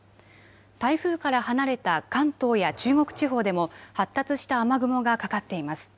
台風から離れた関東や中国地方でも発達した雨雲がかかっています。